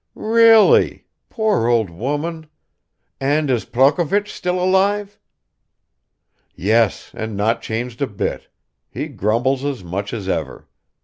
"Really? Poor old woman! And is Prokovich still alive?" "Yes, and not changed a bit. He grumbles as much as ever.